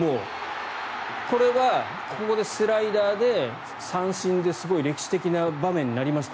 これはここでスライダーで三振ですごい歴史的な場面になりました。